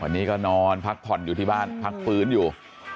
วันนี้ก็นอนพักผ่อนอยู่ที่บ้านพักฟื้นอยู่